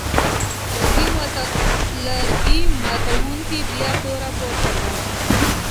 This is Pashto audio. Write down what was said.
لرګي ماتوونکي بیا توره پورته کړه.